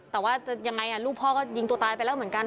แต่ว่าจะยังไงลูกพ่อก็ยิงตัวตายไปแล้วเหมือนกัน